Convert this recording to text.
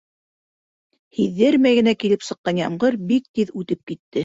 Һиҙҙермәй генә килеп сыҡҡан ямғыр бик тиҙ үтеп китте.